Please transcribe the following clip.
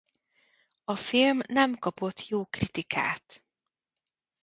A film nem kapott jó kritikát.